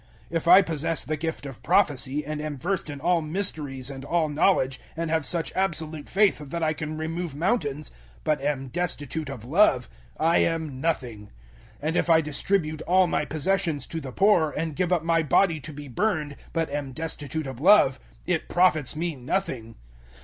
013:002 If I possess the gift of prophecy and am versed in all mysteries and all knowledge, and have such absolute faith that I can remove mountains, but am destitute of Love, I am nothing. 013:003 And if I distribute all my possessions to the poor, and give up my body to be burned, but am destitute of Love, it profits me nothing.